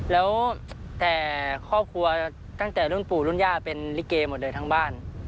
แล้วแต่ครอบครัวตั้งแต่รุ่นปู่รุ่นย่าเป็นลิเกหมดเลยทั้งบ้าน